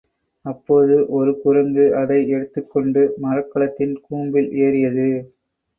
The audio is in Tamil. அப்போது ஒரு குரங்கு அதை எடுத்துக் கொண்டு மரக் கலத்தின் கூம்பில் ஏறியது.